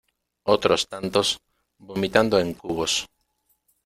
otros tantos vomitando en cubos